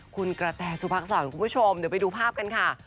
คุณกระแทสุภาคสาวของคุณผู้ชมเดี๋ยวไปดูภาพกันค่ะ